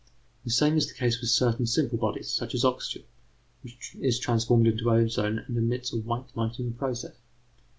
The same is the case with certain simple bodies, such as oxygen, which is transformed into ozone and emits a white light in the process.